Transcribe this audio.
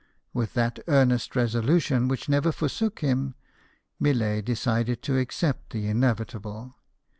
With that earnest resolution which never forsook him, Millet decided to accept the inevitable.